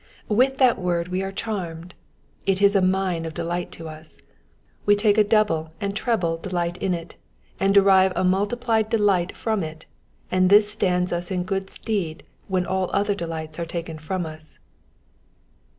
With that word we are charmed ; it is a mine of delight to us. We take a double and treble delight in it, and derive a multiplied delight from it, and this stand*) us in good stead when all other delights are taken from us.